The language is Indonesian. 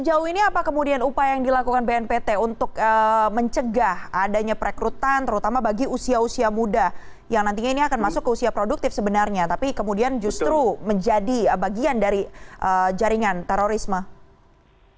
sejauh ini apa kemudian upaya yang dilakukan bnpt untuk mencegah adanya perekrutan terutama bagi usia usia muda yang nantinya ini akan masuk ke usia produktif sebenarnya tapi kemudian justru menjadi bagian dari jaringan terorisme